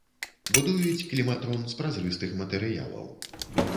Будуюць кліматрон з празрыстых матэрыялаў.